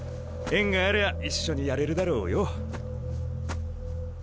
縁がありゃあ一緒にやれるだろうよ。